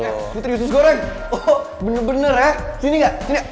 eh putri usus goreng bener bener ya sini gak sini